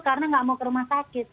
karena nggak mau ke rumah sakit tapi